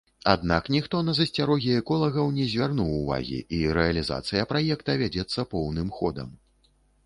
Аднак ніхто на засцярогі эколагаў не звярнуў увагі, і рэалізацыя праекта вядзецца поўным ходам.